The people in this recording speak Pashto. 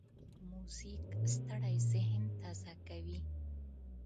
موزیک ستړی ذهن تازه کوي.